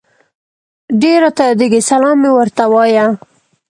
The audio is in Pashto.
ډير راته ياديږي سلام مي ورته وايه